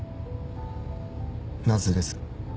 なぜです？